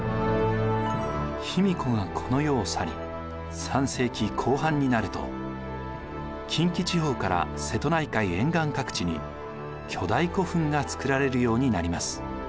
卑弥呼がこの世を去り３世紀後半になると近畿地方から瀬戸内海沿岸各地に巨大古墳が造られるようになります。